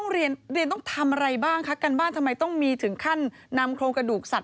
เรียนเรียนต้องทำอะไรบ้างคะการบ้านทำไมต้องมีถึงขั้นนำโครงกระดูกสัตว